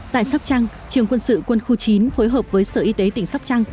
tại sóc trăng trường quân sự quân khu chín phối hợp với sở y tế tỉnh sóc trăng